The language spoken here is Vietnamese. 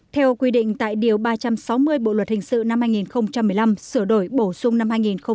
theo quy định tại điều ba trăm sáu mươi bộ luật hình sự năm hai nghìn một mươi năm sửa đổi bổ sung năm hai nghìn một mươi bảy